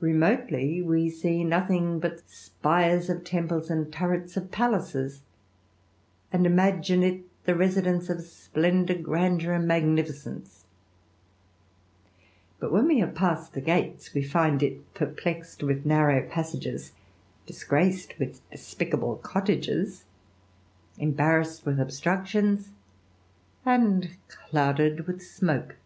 Remotely, we see nothing but spires of tei and turrets of palaces, and imagine it the resideni splendour, grandeur, and magnificence \ but, when we passed the gates, we find it perplexed with narrow pasj disgraced with despicable cottages, embarrassed obstructions, and clouded vdth smoke.